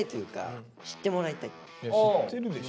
いや知ってるでしょ。